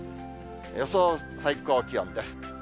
予想最高気温です。